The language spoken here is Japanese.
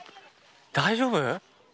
大丈夫。